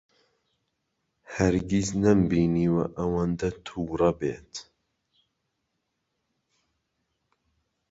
هەرگیز نەمبینیوە ئەوەندە تووڕە بێت.